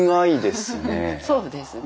そうですね。